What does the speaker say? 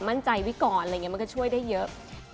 มั่นใจไว้ก่อนอะไรอย่างนี้มันก็ช่วยได้เยอะ